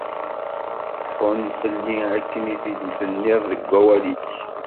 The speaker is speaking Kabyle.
Ḥunn fell-i akken i t-id-tenniḍ deg wawal-ik.